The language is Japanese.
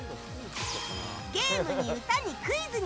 ゲームに、歌に、クイズに。